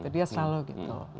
dia selalu gitu